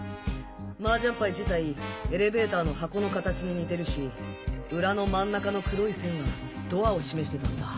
マージャンパイ自体エレベーターの箱の形に似てるし裏の真ん中の黒い線はドアを示してたんだ。